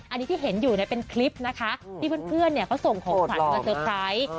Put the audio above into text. อันนี้ที่เห็นอยู่เป็นคลิปนะคะที่เพื่อนเขาส่งของขวัญมาเตอร์ไพรส์